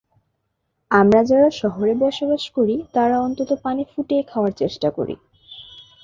আমরা যারা শহরে বসবাস করি তারা অন্তত পানি ফুটিয়ে খাওয়ার চেষ্টা করি।